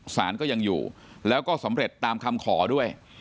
สารก็ยังอยู่แล้วก็สำเร็จตามคำขอด้วย